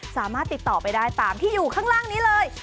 สามารถติดต่อไปได้ตามที่อยู่ข้างล่างนี้เลย